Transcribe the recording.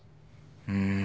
うん。